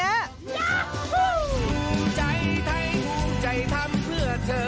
ยาหู้